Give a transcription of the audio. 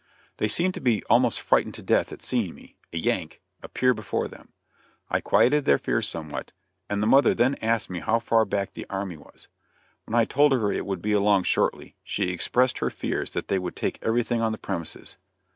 They seemed to be almost frightened to death at seeing me a "yank" appear before them. I quieted their fears somewhat, and the mother then asked me how far back the army was. When I told her it would be along shortly, she expressed her fears that they would take everything on the premises.